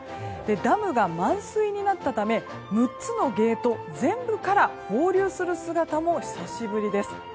ダムが満水になったため６つのゲート全部から放流する姿も久しぶりです。